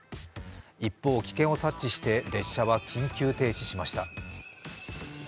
一方、危険を察知して列車は緊急停止しました。